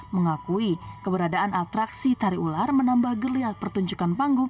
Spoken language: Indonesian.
mengakui keberadaan atraksi tari ular menambah geliat pertunjukan panggung